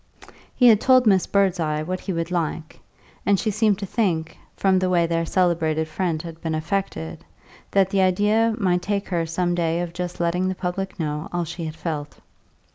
He had told Miss Birdseye what he would like, and she seemed to think, from the way their celebrated friend had been affected, that the idea might take her some day of just letting the public know all she had felt.